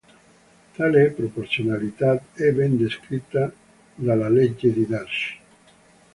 Tale proporzionalità è ben descritta dalla legge di Darcy.